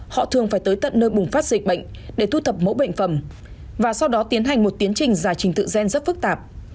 họ thường phải tới tận nơi bùng phát dịch bệnh để thu thập mẫu bệnh phẩm và sau đó tiến hành một tiến trình giải trình tự gen rất phức tạp